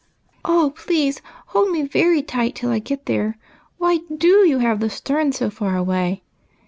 " Oh, please hold me very tight till I get there ! Why do you have the stern so far away?"